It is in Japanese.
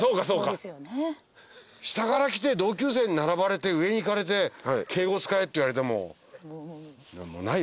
下から来て同級生に並ばれて上に行かれて敬語使えって言われても。